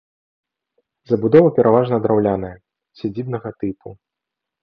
Забудова пераважна драўляная, сядзібнага тыпу.